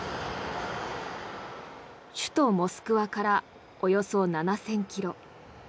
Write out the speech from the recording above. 首都モスクワからおよそ７０００ｋｍ。